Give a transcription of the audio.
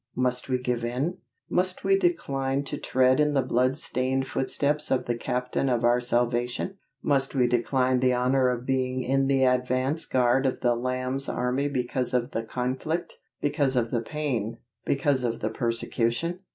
Must we give in? Must we decline to tread in the bloodstained footsteps of the Captain of our salvation? Must we decline the honor of being in the advance guard of the Lamb's army because of the conflict, because of the pain, because of the persecution?